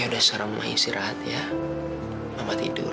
yaudah sekarang ma istirahat ya mama tidur